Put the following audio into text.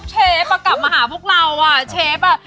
ก็เชฟว่ากลับมาหาพวกเราอ่ะเชฟ